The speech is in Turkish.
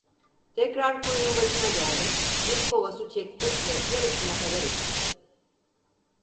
Tekrar kuyunun başına geldim, bir kova su çektim ve yarısına kadar içtim.